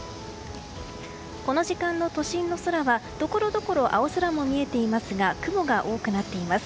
この時間の都心の空はところどころ青空も見えていますが雲が多くなっています。